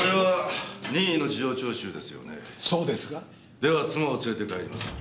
では妻を連れて帰ります。